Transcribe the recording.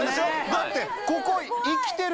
だって